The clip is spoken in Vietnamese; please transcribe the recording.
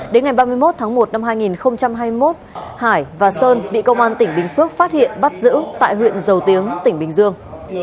đến ngày ba mươi một tháng một năm hai nghìn hai mươi một hải và sơn bị công an tỉnh bình phước phát hiện bắt giữ tại huyện dầu tiếng tỉnh bình dương